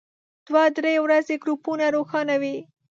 دوه درې ورځې ګروپونه روښانه وي.